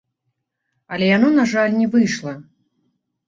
Але яно, на жаль, не выйшла.